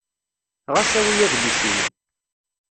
Ɣas awi adlis-nni.